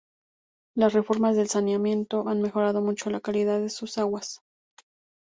Las reformas del saneamiento han mejorado mucho la calidad de sus aguas.